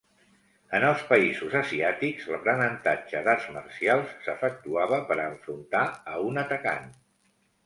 En els països asiàtics, l'aprenentatge d'arts marcials s'efectuava per a enfrontar a un atacant.